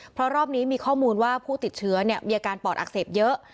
เพราะรอบนี้มีข้อมูลว่าผู้ติดเชื้อมีอาการปอดอักเสบเยอะ